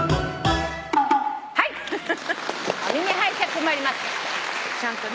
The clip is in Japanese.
「お耳拝借」参ります。